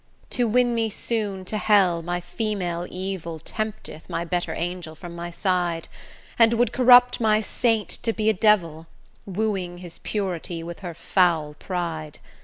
To win me soon to hell, my female evil, Tempteth my better angel from my side, And would corrupt my saint to be a devil, Wooing his purity with her foul pride.